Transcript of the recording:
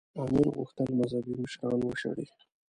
امیر غوښتل مذهبي مشران وشړي.